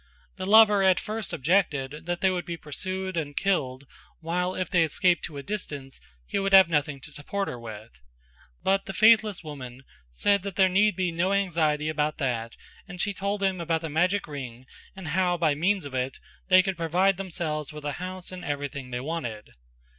The lover at first objected that they would be pursued and killed while if they escaped to a distance he would have nothing to support her with; but the faithless woman said that there need be no anxiety about that and she told him about the magic ring and how by means of it they could provide themselves with a house and everything they wanted.